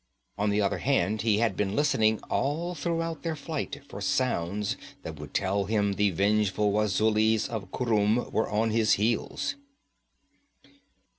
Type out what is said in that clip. On the other hand he had been listening all throughout their flight for sounds that would tell him the vengeful Wazulis of Khurum were on their heels.